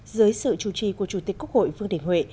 dưới sự chủ trì của chủ tịch quốc hội vương đình huệ